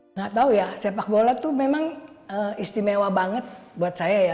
nggak tahu ya sepak bola itu memang istimewa banget buat saya ya